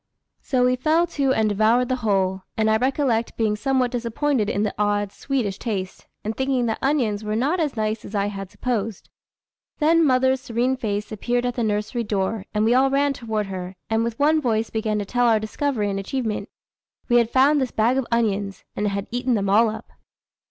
So we fell to and devoured the whole; and I recollect being somewhat disappointed in the odd, sweetish taste, and thinking that onions were not as nice as I had supposed. Then mother's serene face appeared at the nursery door, and we all ran toward her, and with one voice began to tell our discovery and achievement. We had found this bag of onions, and had eaten them all up.